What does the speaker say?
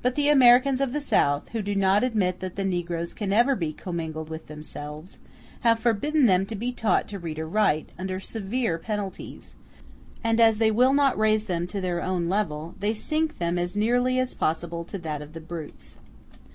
But the Americans of the South, who do not admit that the negroes can ever be commingled with themselves, have forbidden them to be taught to read or to write, under severe penalties; and as they will not raise them to their own level, they sink them as nearly as possible to that of the brutes.